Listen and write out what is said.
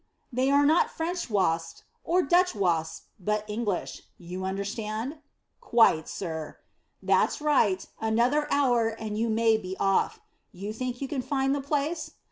"They are not French wasps, or Dutch wasps, but English. You understand?" "Quite, sir." "That's right. Another hour and you may be off. You think you can find the place?"